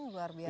luar biasa ya